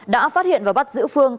đã phát hiện và bắt giữ phương